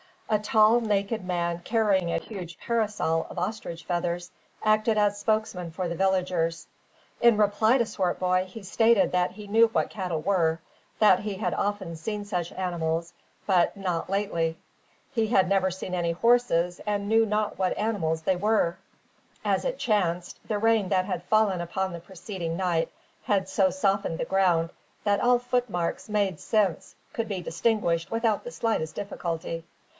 A tall, naked man, carrying a huge parasol of ostrich feathers, acted as spokesman for the villagers. In reply to Swartboy, he stated that he knew what cattle were; that he had often seen such animals, but not lately. He had never seen any horses and knew not what sort of animals they were. As it chanced, the rain that had fallen upon the preceding night had so softened the ground that all footmarks made since could be distinguished without the slightest difficulty.